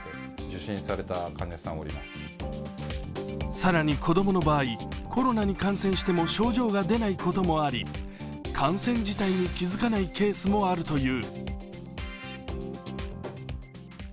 更に、子供の場合、コロナに感染しても症状が出ないこともあり感染自体に気づかないケースもあるという。